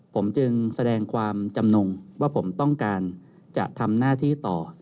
ผมจึงแสดงความจำนงว่าผมต้องการจะทำหน้าที่ต่อ